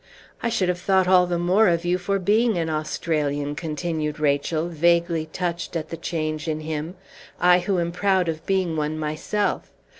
"I should have thought all the more of you for being an Australian," continued Rachel, vaguely touched at the change in him, "I who am proud of being one myself.